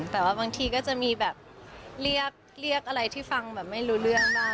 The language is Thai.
แต่ว่าบางทีก็จะมีแบบเรียกอะไรที่ฟังแบบไม่รู้เรื่องบ้าง